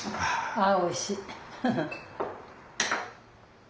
あおいしい！